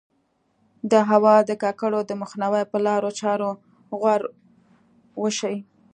د هوا د ککړولو د مخنیوي په لارو چارو غور وشي.